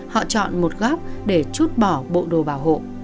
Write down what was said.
họ chọn một góc để chút bỏ bộ đồ bảo hộ